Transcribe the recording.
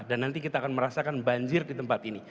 dan nanti kita akan merasakan banjir di tempat ini